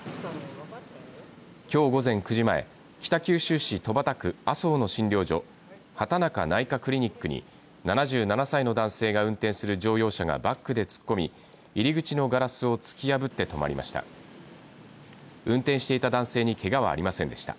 きょう午前９時前北九州市戸畑区浅生の診療所畠中内科クリニックに７７歳の男性が運転する乗用車がバックで突っ込み入り口のガラスを突き破って止まりました。